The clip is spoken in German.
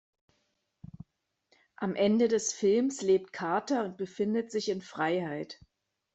Am Ende des Films lebt Carter und befindet sich in Freiheit.